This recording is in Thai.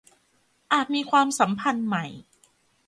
อาจมีความสัมพันธ์ใหม่